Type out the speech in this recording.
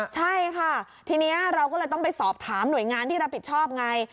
ใช่ค่ะทีนี้เราก็เลยต้องไปสอบถามหน่วยงานที่รับผิดชอบไง